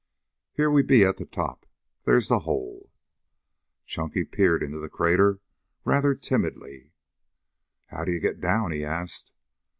Here we be at the top. There's the hole." Chunky peered into the crater rather timidly. "How do you get down?" he asked.